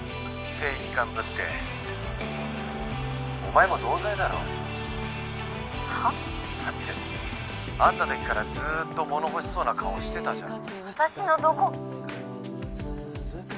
正義感ぶってお前も同罪だろ？は？だって会った時からずっともの欲しそうな顔してたじゃん。